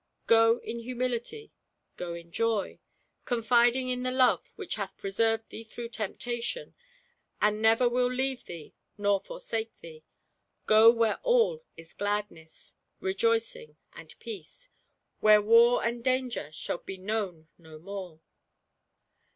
Go in humility, go in joy, confiding in the love which hath preserved thee through temptation, and never will leave thee nor forsake thee ; go where all is gladness, rejoicing and peace — ^where war and danger shall be known no more